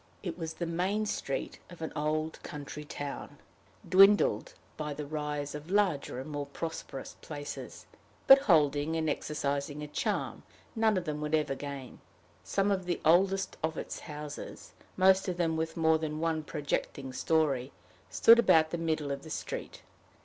It was the main street of an old country town, dwindled by the rise of larger and more prosperous places, but holding and exercising a charm none of them would ever gain. Some of the oldest of its houses, most of them with more than one projecting story, stood about the middle of the street.